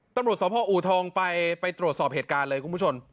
ตำรวจสพอูทองไปตรวจสอบเหตุการณ์เลยคุณผู้ชม